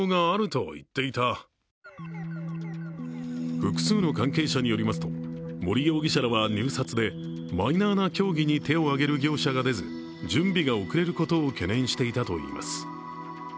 複数の関係者によりますと森容疑者らは入札でマイナーな競技に手を挙げる業者が出ず、準備が遅れることを懸念していたといいます。